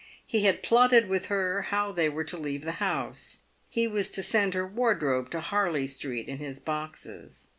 He had plotted with her how they were to leave the house. He was to send her wardrobe to Harley street in his boxes.